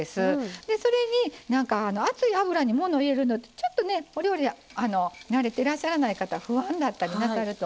それに熱い油にもの入れるのってちょっとねお料理慣れてらっしゃらない方不安だったりなさると思う。